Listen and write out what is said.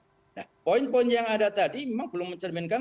nah poin poin yang ada tadi memang belum mencerminkan